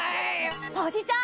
おじちゃん！